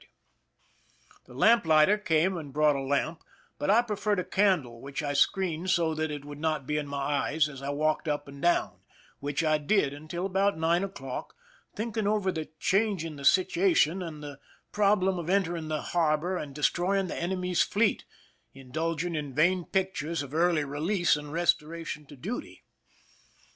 235 THE SINKING OF THE "MERRIMAC" The lamplighter came and brought a lamp ; but I preferred a candle, which I screened so that it would not be in my eyes as I walked up and down, which I did till about nine o'clock, thinking over the change in the situation and the problem of entering the harbor and destroying the enemy's fleet, indulging in vain pictures of early release and restoration to duty.